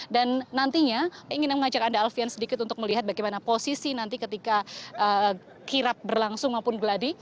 dan nantinya ingin mengajak anda alfian sedikit untuk melihat bagaimana posisi nanti ketika kirap berlangsung maupun geladi